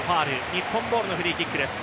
日本ボールのフリーキックです。